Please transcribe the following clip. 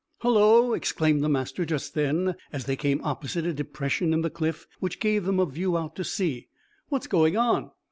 "Hullo!" exclaimed the master just then, as they came opposite a depression in the cliff which gave them a view out to sea. "What's going on?